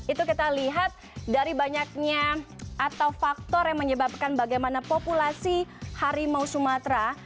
itu kita lihat dari banyaknya atau faktor yang menyebabkan bagaimana populasi harimau sumatera